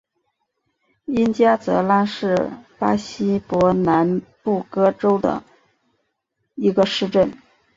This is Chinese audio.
因加泽拉是巴西伯南布哥州的一个市镇。